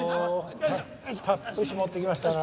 たっぷし持ってきましたからね。